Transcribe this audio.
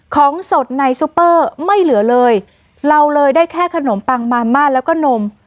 ของสดในซุปเปอร์ไม่เหลือเลยเราเลยได้แค่ขนมปังมาม่าแล้วก็นม